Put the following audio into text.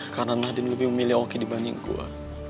karena nadine lebih memilih oki dibanding gue